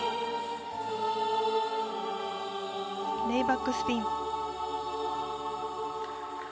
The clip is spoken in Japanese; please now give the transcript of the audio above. レイバックスピン。